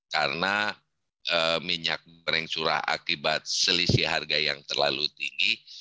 karena minyak goreng curah akibat selisih harga yang terlalu tinggi